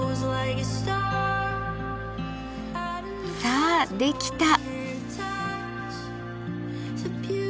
さあできた！